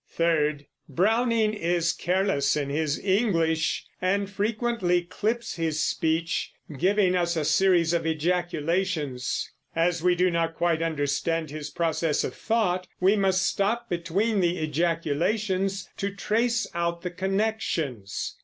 Third, Browning is careless in his English, and frequently clips his speech, giving us a series of ejaculations. As we do not quite understand his processes of thought, we must stop between the ejaculations to trace out the connections.